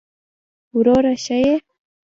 وروره ښه يې!